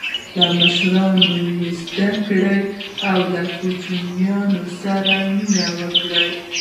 له مشرانو زده کړه او له کوچنیانو سره مینه وکړه.